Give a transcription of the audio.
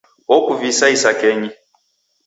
Okuvisa isakenyi.